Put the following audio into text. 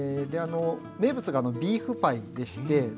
名物がビーフパイでして。